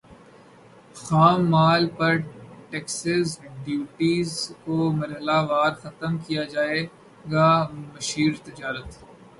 خام مال پر ٹیکسز ڈیوٹیز کو مرحلہ وار ختم کیا جائے گا مشیر تجارت